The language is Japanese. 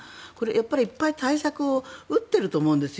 いっぱい対策を打っていると思うんですよ。